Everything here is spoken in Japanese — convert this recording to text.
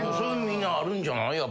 みんなあるんじゃない？